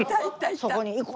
「そこに行こう！」